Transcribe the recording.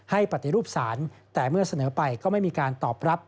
ปฏิรูปศาลแต่เมื่อเสนอไปก็ไม่มีการตอบรับ